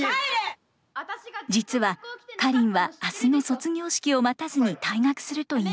実はカリンは明日の卒業式を待たずに退学するといいます。